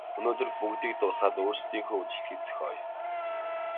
Өнөөдөр бүгдийг дуусгаад өөрсдийнхөө үдэшлэгийг зохиоё.